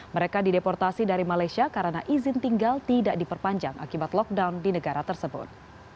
mereka dideportasi dari malaysia karena izin tinggal tidak diperpanjang akibat lockdown di negara tersebut